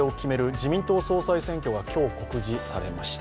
自民党総裁選挙が今日告示されました。